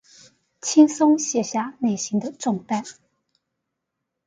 輕鬆卸下內心的重擔